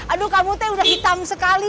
aduh kamu teh udah hitam sekali